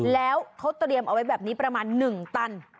แล้วเขาเตรียมเอาไว้แบบนี้ประมาณ๑ตัน